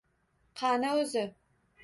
Qani o‘zi?